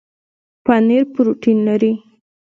پنیر پروټین لري